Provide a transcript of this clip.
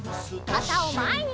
かたをまえに！